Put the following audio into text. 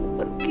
aku mau pergi